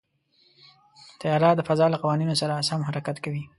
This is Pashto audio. طیاره د فضا له قوانینو سره سم حرکت کوي.